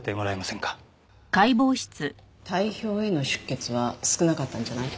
体表への出血は少なかったんじゃない？